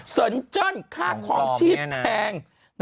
สนเจ้นค่าคลอมชีพแพง